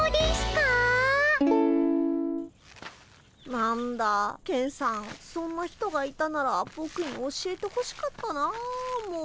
何だケンさんそんな人がいたならボクに教えてほしかったなあもう。